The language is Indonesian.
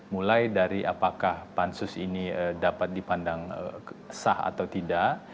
mulai dari apakah pansus ini dapat dipandang sah atau tidak